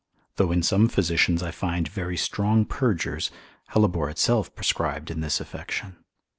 Though in some physicians I find very strong purgers, hellebore itself prescribed in this affection.